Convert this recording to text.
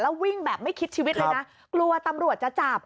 วิ่งแบบไม่คิดชีวิตเลยนะกลัวตำรวจจะจับ